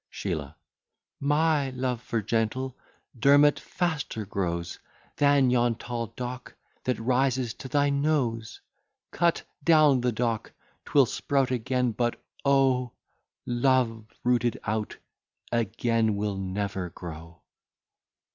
SHEELAH My love for gentle Dermot faster grows, Than yon tall dock that rises to thy nose. Cut down the dock, 'twill sprout again; but, O! Love rooted out, again will never grow.